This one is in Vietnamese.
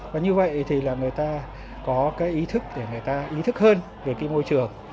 và như vậy thì người ta có ý thức để người ta ý thức hơn về môi trường